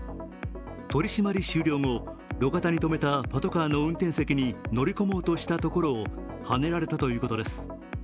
取り締まり終了後路肩に止めたパトカーの運転席に乗り込もうとしたところをはねられたということです。